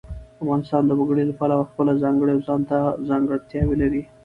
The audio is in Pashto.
افغانستان د وګړي له پلوه خپله ځانګړې او ځانته ځانګړتیا لري.